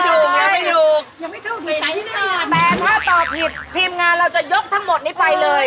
ยังไม่ถูกแต่ถ้าตอบผิดทีมงานเราจะยกทั้งหมดนี้ไปเลย